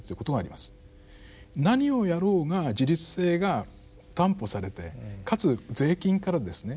何をやろうが自立性が担保されてかつ税金からですね